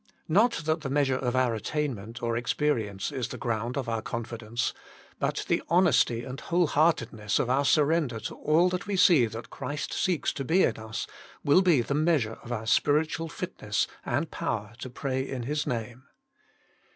Not that the measure of our attainment or experience is the ground of our confidence, but the honesty and whole heartedness of our surrender to all that we see that Christ seeks to be in us, will be the measure of our spiritual fitness and power to pray in His Name.